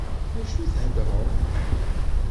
D acu i d-theddṛeḍ?